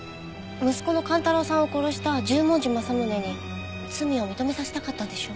息子の寛太郎さんを殺した十文字政宗に罪を認めさせたかったんでしょ？